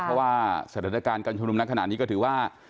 เพราะว่าสถานการณ์การชุมนุมนักขนาดนี้ก็ถือว่า